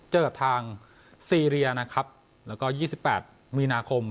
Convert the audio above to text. เจอกับทางซีเรียนะครับแล้วก็๒๘มีนาคม